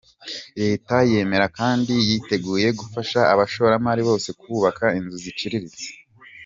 Leta yemera kandi yitegeuye gufasha abashoramari bose kubaka inzu ziciriritse.